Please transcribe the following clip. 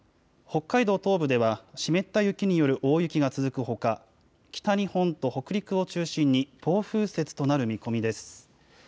北海道東部では湿った雪による大雪が続くほか、北日本と北陸を中心に暴風雪となる見込みです。